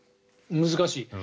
難しい。